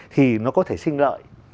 thì nó có thể sinh lợi